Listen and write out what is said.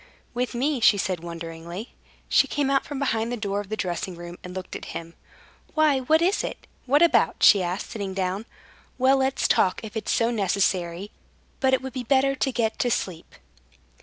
"With me?" she said, wonderingly. She came out from behind the door of the dressing room, and looked at him. "Why, what is it? What about?" she asked, sitting down. "Well, let's talk, if it's so necessary. But it would be better to get to sleep."